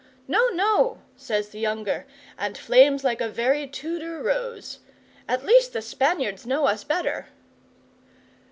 '"No, no," says the younger, and flames like a very Tudor rose. "At least the Spaniards know us better."